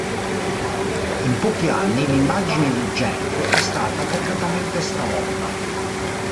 In pochi anni l'immagine di Genk è stata completamente stravolta.